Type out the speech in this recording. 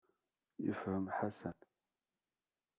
Yefhem Ḥasan.